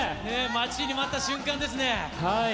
待ちに待った瞬間ですね。